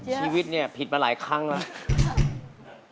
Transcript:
ชีวิตเนี่ยผิดมาหลายครั้งแล้ว